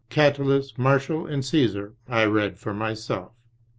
Catullus, Martial and Caesar I read for myself.